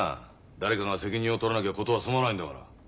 誰かが責任を取らなきゃ事は済まないんだから。